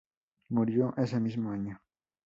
Murió ese mismo año.